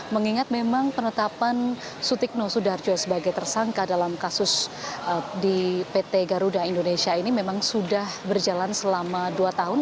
mengingat memang penetapan sutikno sudarjo sebagai tersangka dalam kasus di pt garuda indonesia ini memang sudah berjalan selama dua tahun